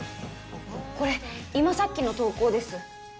これ今さっきの投稿です